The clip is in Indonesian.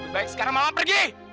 baik sekarang mama pergi